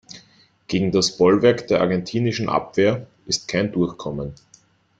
Gegen das Bollwerk der argentinischen Abwehr ist kein Durchkommen.